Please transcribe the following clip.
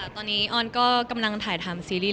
ตอนนี้ออนก็กำลังถ่ายทำซีรีส